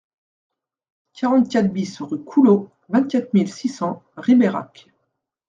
quarante-quatre BIS rue Couleau, vingt-quatre mille six cents Ribérac